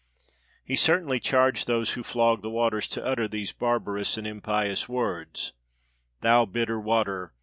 He cer tainly charged those who flogged the waters to utter these barbarous and impious words: "Thou bitter water!